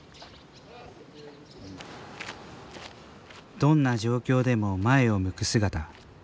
どんな状況でも前を向く姿。